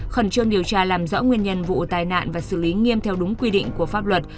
khẩn trương điều tra làm rõ nguyên nhân vụ tai nạn và xử lý nghiêm theo đúng quy định của pháp luật